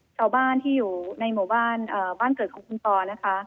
เช้าบ้านที่อยู่ในหมู่บ้านเกิดของคุณปอล์นะคะ